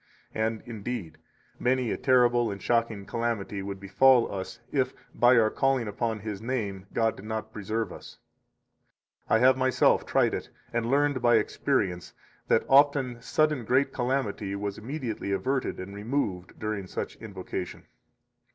And, indeed, many a terrible and shocking calamity would befall us if, by our calling upon His name, God did not preserve us. 72 I have myself tried it, and learned by experience that often sudden great calamity was immediately averted and removed during such invocation.